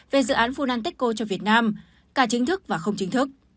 về dự án funtechco cho việt nam cả chính thức và không chính thức